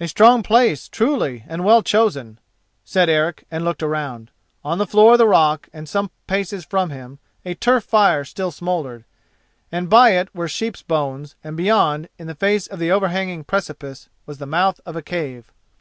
"A strong place, truly, and well chosen," said Eric and looked around. On the floor of the rock and some paces from him a turf fire still smouldered, and by it were sheep's bones, and beyond, in the face of the overhanging precipice, was the mouth of a cave.